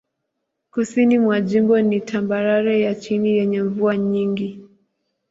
Kusini mwa jimbo ni tambarare ya chini yenye mvua nyingi.